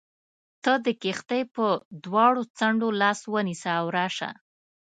ته د کښتۍ پر دواړو څنډو لاس ونیسه او راشه.